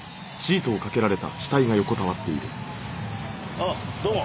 あっどうも。